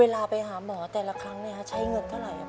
เวลาไปหาหมอแต่ละครั้งน่ะใช้เงินเท่าไรไอ้พ่อ